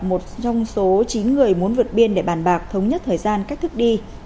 một trong số chín người muốn vượt biên để bàn bạc thống nhất thời gian cách thức đi